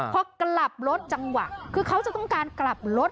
พอกลับรถจังหวะคือเขาจะต้องการกลับรถ